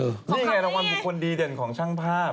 นี่ไงรางวัลบุคคลดีเด่นของช่างภาพ